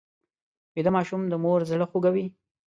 ویده ماشوم د مور زړه خوږوي